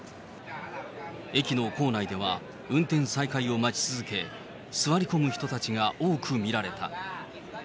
駅の構内では、運転再開を待ち続け、座り込む人たちが多く見られた。